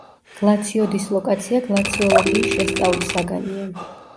გლაციოდისლოკაცია გლაციოლოგიის შესწავლის საგანია.